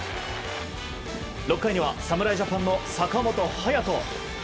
６回には侍ジャパンの坂本勇人。